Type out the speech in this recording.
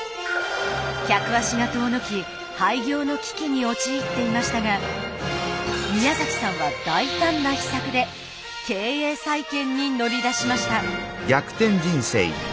客足が遠のき廃業の危機に陥っていましたが宮さんは大胆な秘策で経営再建に乗り出しました。